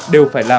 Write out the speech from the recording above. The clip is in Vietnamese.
đều phải làm